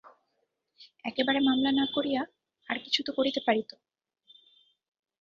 একেবারে মামলা না করিয়া আর কিছু তো করিতে পারিত?